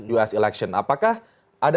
us election apakah ada